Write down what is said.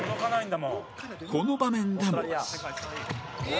この場面でも